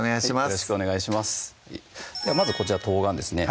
よろしくお願いしますではまずこちら冬瓜ですね